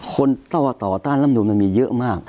คนต่อต้านร่ำนวลมีเยอะมาก